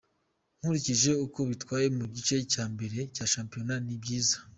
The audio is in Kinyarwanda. Nkurikije uko bitwaye mu gice cya mbere cya shampiyona, ni byiza.